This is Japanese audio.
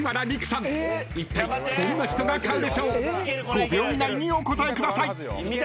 ［５秒以内にお答えください］